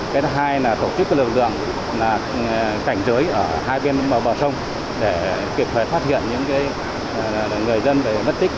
cái thứ hai là tổ chức lực lượng cảnh giới ở hai bên bờ sông để kịp thời phát hiện những người dân về mất tích